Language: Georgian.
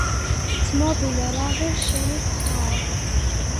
ძმობილო, რა ღირს შენი თხაო?